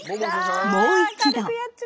もう一度。